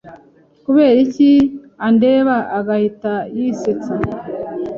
kuberiki andeba akahita yisetsa?